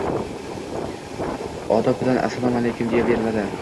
Odob bilan «Assalomu alaykum» deya beriladi.